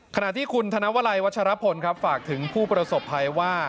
ขณะที่คุณธนวลัยวัชรพลครับฝากถึงผู้ประสบภัยว่า